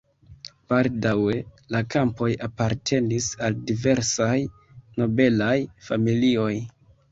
Baldaŭe la kampoj apartenis al diversaj nobelaj familioj.